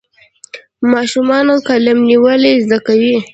ماشومان قلم نیول زده کوي.